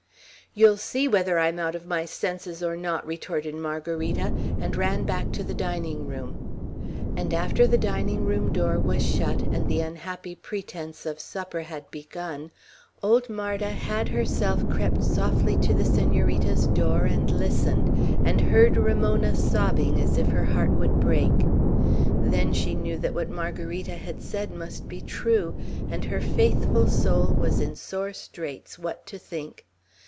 "You'll see whether I am out of my senses or not," retorted Margarita, and ran back to the dining room. And after the dining room door was shut, and the unhappy pretence of a supper had begun, old Marda had herself crept softly to the Senorita's door and listened, and heard Ramona sobbing as if her heart would break. Then she knew that what Margarita had said must be true, and her faithful soul was in sore straits what to think.